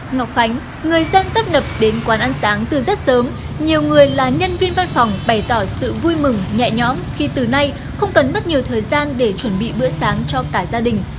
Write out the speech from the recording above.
nhiều người là nhân viên văn phòng bày tỏ sự vui mừng nhẹ nhõm khi từ nay không cần mất nhiều thời gian để chuẩn bị bữa sáng cho cả gia đình